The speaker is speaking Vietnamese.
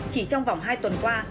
chỉ trong vòng hai tuần qua